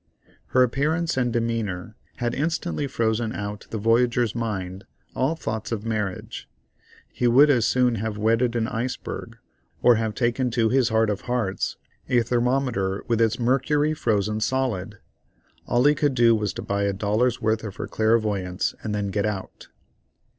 Her appearance and demeanor had instantly frozen out of the voyager's mind all thoughts of marriage; he would as soon have wedded an iceberg, or have taken to his heart of hearts a thermometer with its mercury frozen solid. All he could do was to buy a dollar's worth of her clairvoyance and then get out.